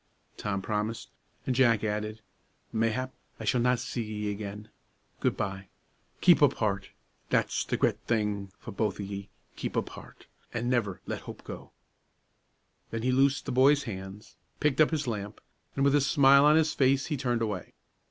Tom promised, and Jack added, "Mayhap I s'all not see ye again good by keep up heart; that's the gret thing for both o' ye keep up heart, an' never let hope go." Then he loosed the boy's hands, picked up his lamp, and, with a smile on his face, he turned away.